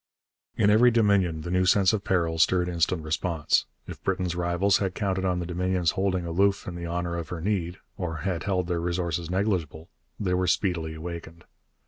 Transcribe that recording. In every Dominion the new sense of peril stirred instant response. If Britain's rivals had counted on the Dominions holding aloof in the hour of her need, or had held their resources negligible, they were speedily awakened.